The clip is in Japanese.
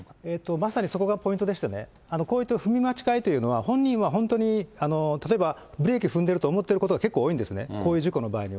まさにそこがポイントでしてね、こういった踏み間違えというのは、本人は本当に、例えばブレーキを踏んでると思っていることが結構多いんですね、こういう事故の場合は。